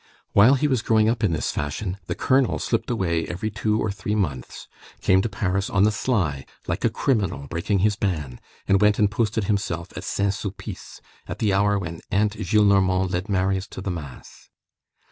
While he was growing up in this fashion, the colonel slipped away every two or three months, came to Paris on the sly, like a criminal breaking his ban, and went and posted himself at Saint Sulpice, at the hour when Aunt Gillenormand led Marius to the mass.